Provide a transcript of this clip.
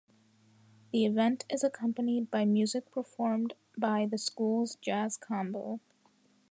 The event is accompanied by music performed by the school's jazz combo.